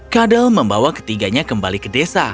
kadel membawa ketiganya kembali ke desa